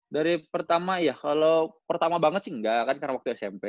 dari pertama ya kalau pertama banget sih enggak kan karena waktu smp